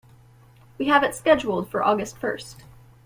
We have it scheduled for August first.